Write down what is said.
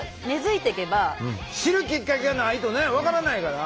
知るきっかけがないとね分からないから。